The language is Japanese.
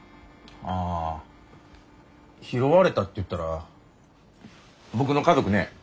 ああ拾われたっていったら僕の家族ね